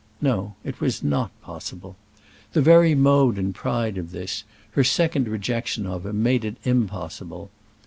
No; it was not possible. The very mode and pride of this, her second rejection of him, made it impossible.